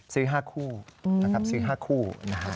ซื้อ๕คู่นะครับซื้อ๕คู่นะฮะ